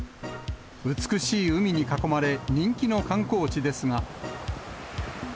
美しい海に囲まれ、人気の観光地ですが。